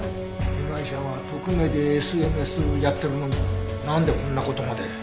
被害者は匿名でＳＮＳやってるのになんでこんな事まで。